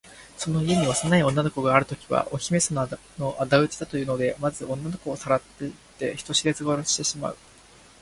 その家に幼い女の子があるときは、お姫さまのあだ討ちだというので、まず女の子をさらっていって、人知れず殺してしまう。